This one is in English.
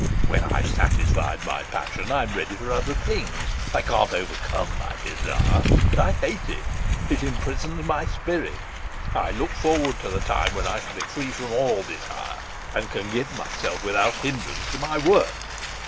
When I've satisfied my passion I'm ready for other things. I can't overcome my desire, but I hate it; it imprisons my spirit; I look forward to the time when I shall be free from all desire and can give myself without hindrance to my work.